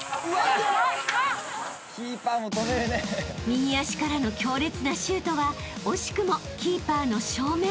［右足からの強烈なシュートは惜しくもキーパーの正面］